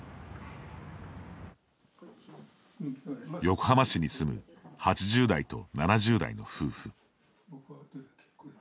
横浜市に住む８０代と７０代の夫婦。